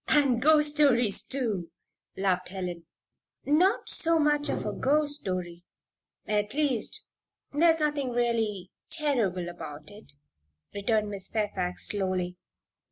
"And ghost stories, too," laughed Helen. "Not so much of a ghost story at least, there's nothing really terrible about it," returned Miss Fairfax, slowly.